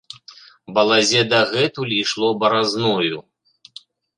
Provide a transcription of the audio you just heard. Балазе дагэтуль ішло баразною.